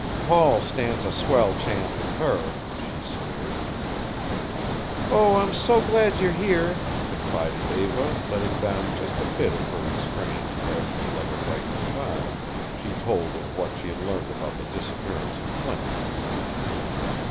"Paul stands a swell chance with her," she sneered. "Oh, I'm so glad you're here," confided Eva, letting down just a bit of her restraint as, like a frightened child, she told of what she had learned about the disappearance of Flint.